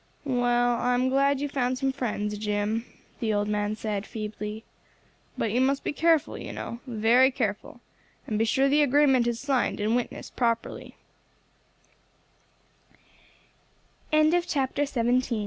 "Well, I am glad you have found some friends, Jim," the old man said feebly. "But you must be careful, you know, very careful, and be sure the agreement is signed and witnessed properl